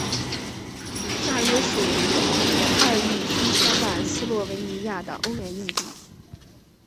大约属于二亿三千万斯洛维尼亚的欧元硬币。